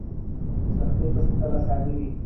په سختۍ پسې تل اساني وي.